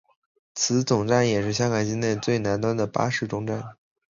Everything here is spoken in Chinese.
此总站也是香港境内最南端的巴士终站。